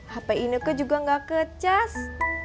hp ini aku juga gak kecas